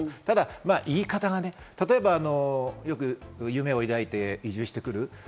ただ言い方が、例えばよく夢を抱いて移住してくる。